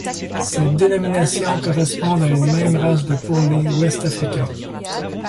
Ces dénominations correspondent à une même race de poney ouest-africain.